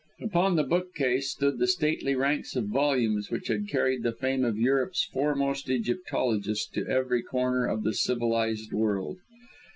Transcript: Upon the bookcase stood the stately ranks of volumes which had carried the fame of Europe's foremost Egyptologist to every corner of the civilised world.